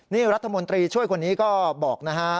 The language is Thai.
นี่รัฐมนตรีช่วยคนนี้ก็บอกนะฮะ